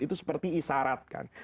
itu seperti isyarat kan